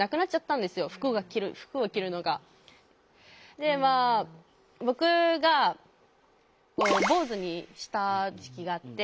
でまあ僕が坊主にした時期があって。